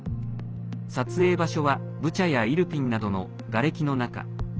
撮影場所はブチャやイルピンなどのがれきの中。